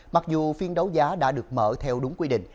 mặc dù phiên đấu giá đã được mở theo đúng quy định